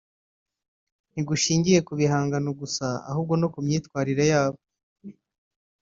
ntigushingiye ku bihangano gusa ahubwo no ku myitwarire yabo